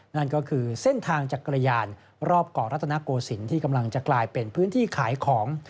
นั่นก็คือเส้นทางจักรยานรอบเกาะรัตนโกศิลป์ที่กำลังจะกลายเป็นพื้นที่ขายของ